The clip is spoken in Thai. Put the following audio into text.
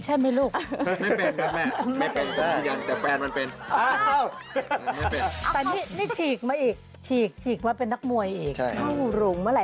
เอ้า